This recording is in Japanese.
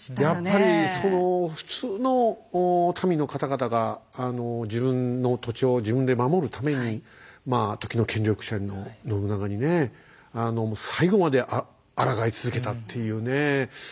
やっぱりその普通の民の方々が自分の土地を自分で守るためにまあ時の権力者の信長にねえ最後まであらがい続けたっていうね。